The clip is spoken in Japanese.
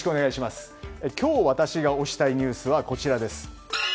今日、私が推したいニュースはこちらです。